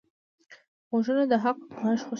غوږونه د حق غږ خوښوي